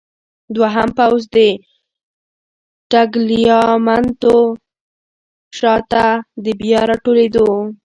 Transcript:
دوهم پوځ د ټګلیامنتو شاته د بیا راټولېدو.